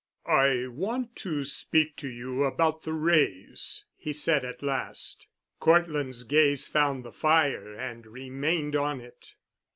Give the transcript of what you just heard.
"I want to speak to you about the Wrays," he said at last. Cortland's gaze found the fire and remained on it.